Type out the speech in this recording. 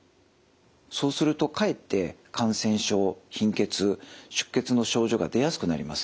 そうするとかえって感染症貧血出血の症状が出やすくなります。